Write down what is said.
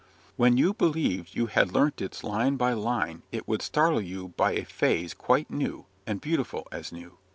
When you believed you had learnt it line by line it would startle you by a phase quite new, and beautiful as new.